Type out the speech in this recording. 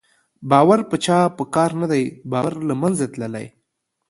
باور په چا په کار نه دی، باور له منځه تللی